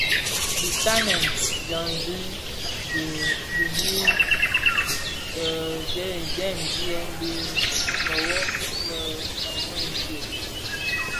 Dhi ntanen dyandi di nud ndhemziyèn bi mëwoni më mëshyom.